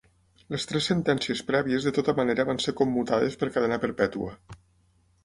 Las tres sentències prèvies de tota manera van ser commutades per cadena perpètua.